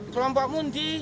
kelompok munti orang tegok ini